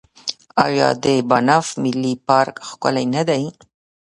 آیا د بانف ملي پارک ښکلی نه دی؟